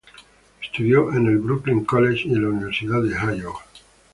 Estudió en el Brooklyn College y en la Universidad de Iowa.